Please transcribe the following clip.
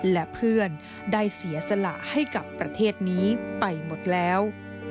และเพื่อนได้เสียสละให้กับประเทศนี้ไปหมดแล้ว